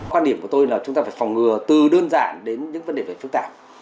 quan điểm của tôi là chúng ta phải phòng ngừa từ đơn giản đến những vấn đề về phức tạp